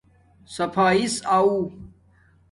صفایݵس آݹ